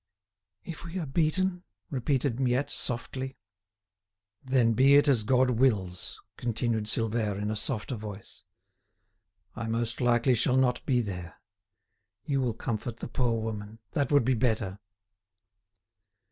"If we are beaten?" repeated Miette, softly. "Then be it as God wills!" continued Silvère, in a softer voice. "I most likely shall not be there. You will comfort the poor woman. That would be better."